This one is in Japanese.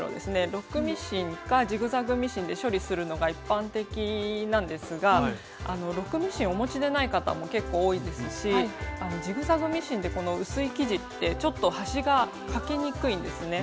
ロックミシンかジグザグミシンで処理するのが一般的なんですがロックミシンお持ちでない方も結構多いですしジグザグミシンでこの薄い生地ってちょっと端がかけにくいんですね。